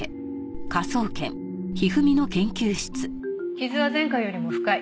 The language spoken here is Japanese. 傷は前回よりも深い。